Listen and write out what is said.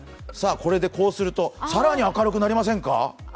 これでこうすると、更に明るくなりませんか？